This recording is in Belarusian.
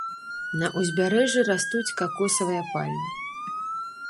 На ўзбярэжжы растуць какосавыя пальмы.